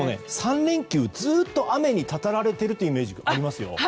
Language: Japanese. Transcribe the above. ３連休、ずっと雨にたたられているというイメージがありますよ。